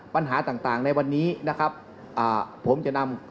ปัญหาต่างในวันนี้ผมจะนำ